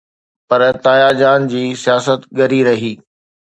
پر تايا جان جي سياست ڳري رهي.